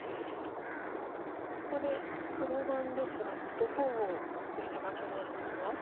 ここで黒番ですがどこのヨセが気になりますか？